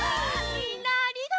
みんなありがとう！